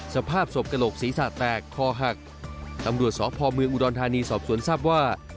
สภาพศพกระโหลกศีรษะแตกคอหักตำรวจสพเมืองอุดรธานีสอบสวนทราบว่า